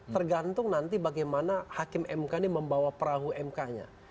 tergantung nanti bagaimana hakim mk ini membawa perahu mk nya